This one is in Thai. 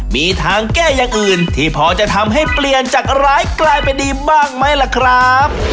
มีทางแก้อย่างอื่นที่พอจะทำให้เปลี่ยนจากร้ายกลายเป็นดีบ้างไหมล่ะครับ